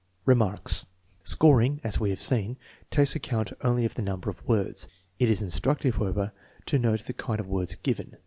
Remarks. Scoring, as we have seen, takes account only of the number of words. It is instructive, however, to note the kind of words given.